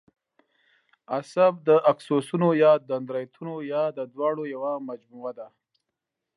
عصب د آکسونونو یا دندرایتونو یا د دواړو یوه مجموعه ده.